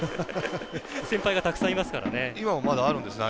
先輩がたくさんいますから。